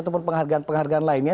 ataupun penghargaan penghargaan lainnya